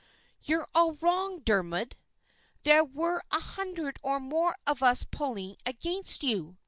"You're all wrong, Dermod! There were a hundred or more of us pulling against you!"